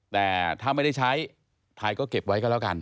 แต่ถ้าไม่ได้ใช้ไทยก็เก็บไว้ก็แล้วกัน